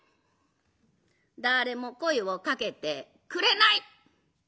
だれも声をかけてくれない！